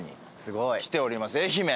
愛媛。